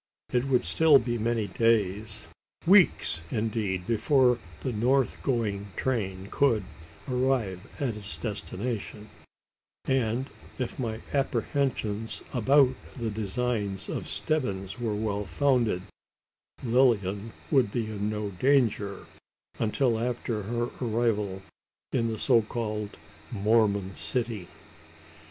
It would still be many days weeks, indeed before the north going train could, arrive at its destination; and if my apprehensions about the designs of Stebbins were well founded, Lilian would be in no danger until after her arrival in the so called "Mormon city."